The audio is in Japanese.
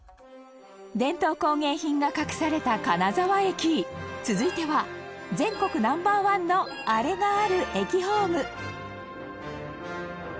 伝統工芸品が隠された金沢駅続いては、「全国Ｎｏ．１のあれがある駅ホーム」